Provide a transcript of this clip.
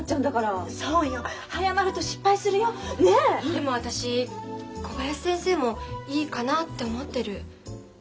でも私小林先生もいいかなって思ってる。